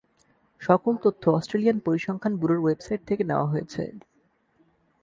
সকল তথ্য অস্ট্রেলিয়ান পরিসংখ্যান ব্যুরোর ওয়েবসাইট থেকে নেওয়া হয়েছে।